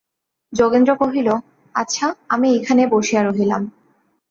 যোগেন্দ্র কহিল, আচ্ছা, আমি এইখানেই বসিয়া রহিলাম।